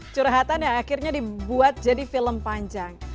curhatan yang akhirnya dibuat jadi film panjang